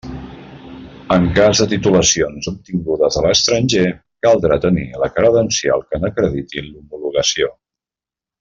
En el cas de titulacions obtingudes a l'estranger, caldrà tenir la credencial que n'acredite l'homologació.